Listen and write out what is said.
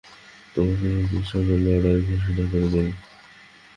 তোমার অশুভগ্রহের সঙ্গে লড়াই ঘোষণা করে দেব।